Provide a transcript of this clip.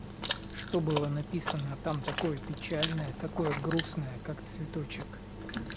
Что было написано там такое печальное, такое грустное, как цветочек?